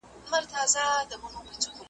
درې ملګري له کلو انډیوالان وه .